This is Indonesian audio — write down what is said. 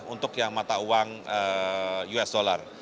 untuk yang mata uang us dollar